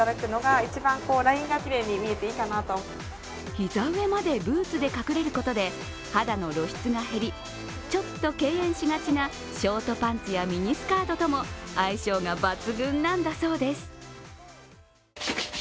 膝上までブーツで隠れることで肌の露出が減りちょっと敬遠しがちなショートパンツやミニスカートとも相性が抜群なんだそうです。